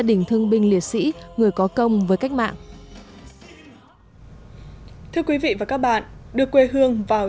đình thương binh liệt sĩ người có công với cách mạng thưa quý vị và các bạn đưa quê hương vào